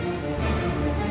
buat kita selamat